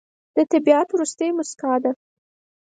د طبیعت وروستی موسکا ده